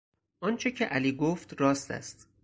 آنچه که علی گفت راست است.